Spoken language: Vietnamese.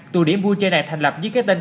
tù điểm vui chơi này thành lập dưới cái tên